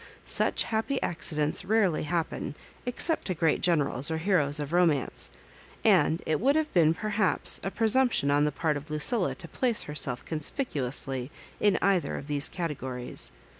Such happy accidents rarely happen, except to great generals or heroes of romance; and it would have been, perhaps, a presumption on the part of Lucilla to place herself conspicuous ly in either of these categories.